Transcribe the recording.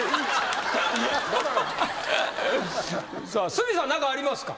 角さん何かありますか？